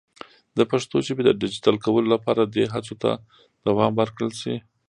د پښتو ژبې د ډیجیټل کولو لپاره دې هڅو ته دوام ورکړل شي.